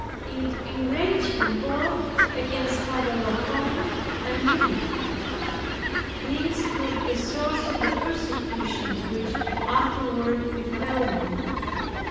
It enraged him both against Father La Combe and me. This proved the source of the persecutions which afterward befell me.